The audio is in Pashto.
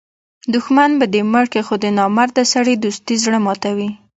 دوښمن به دي مړ کي؛ خو د نامرده سړي دوستي زړه ماتوي.